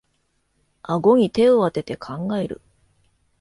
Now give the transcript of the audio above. あごに手をあてて考える